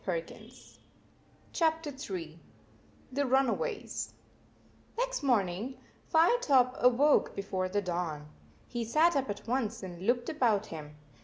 Ill THE RUNAWAYS Ill THE RUNAWAYS NEXT morning Firetop awoke before the dawn. He sat up at once and looked about him.